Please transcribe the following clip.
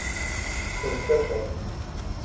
Sens tafat.